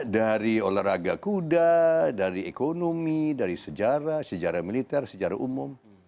dari olahraga kuda dari ekonomi dari sejarah sejarah militer sejarah umum